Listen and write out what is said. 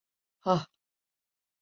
Hah!